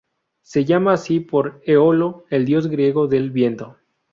Se llama así por Eolo, el dios griego del viento.